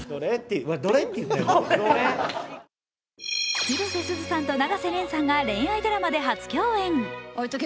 広瀬すずさんと永瀬廉さんが恋愛ドラマで初共演。